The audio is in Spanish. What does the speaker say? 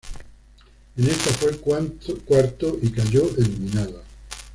En esta fue cuarto y cayó eliminado.